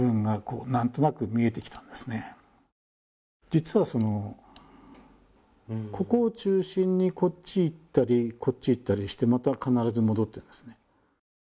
実はここを中心に、こっちへ行ったり、こっちへ行ったりしてまた必ず戻ってますね。